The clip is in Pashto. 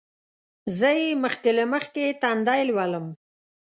زه یې مخکې له مخکې تندی لولم.